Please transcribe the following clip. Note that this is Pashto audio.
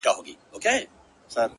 • هر اندام یې وو له وېري لړزېدلی,